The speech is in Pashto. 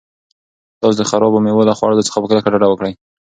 تاسو د خرابو مېوو له خوړلو څخه په کلکه ډډه وکړئ.